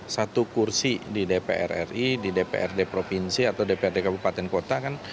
satu kursi di dpr ri di dprd provinsi atau dprd kabupaten kota kan